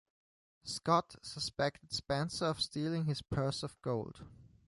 Scott suspected Spencer of stealing his purse of gold.